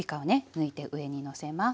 抜いて上にのせます。